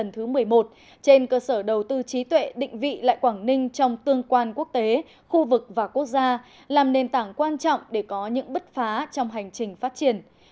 trên cơ sở đầu tư trí tuệ định vị lại quảng ninh trong tương quan quốc tế khu vực và quốc gia làm nền tảng quan trọng để có những bứt phá trong hành trình phát triển